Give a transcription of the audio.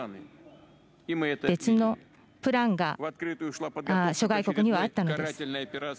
別のプランが諸外国にはあったのです。